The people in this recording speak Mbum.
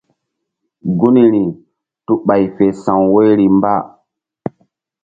Gunri tu ɓay fe sa̧w woyri mba.